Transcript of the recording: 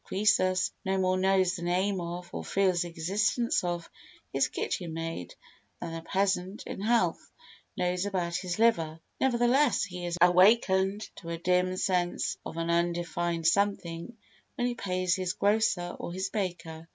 Croesus no more knows the name of, or feels the existence of, his kitchen maid than a peasant in health knows about his liver; nevertheless he is awakened to a dim sense of an undefined something when he pays his grocer or his baker.